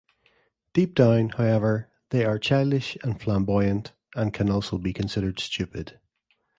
Deep down, however, they are childish and flamboyant, and can also be considered stupid.